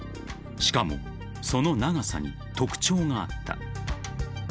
しかもその長さに特徴があった］